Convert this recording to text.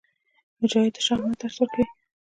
مجاهد د شهامت درس ورکوي.